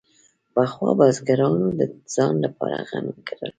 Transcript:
پخوا بزګرانو د ځان لپاره غنم کرل.